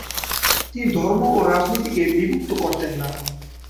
তিনি ধর্ম ও রাজনীতিকে বিভক্ত করতেন না।